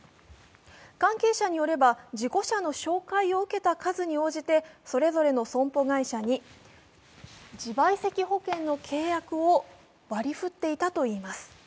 関係者によれば事故車の紹介を受けた数に応じてそれぞれの損保会社に自賠責保険の契約を割り振っていたといいます。